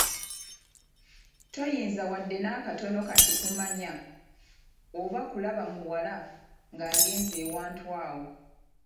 Toyinza wadde n'akatono kati kumanya oba kulaba muwala ng'agenze ewantu awo.